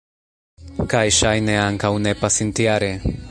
Kaj ŝajne ankaŭ ne pasintjare?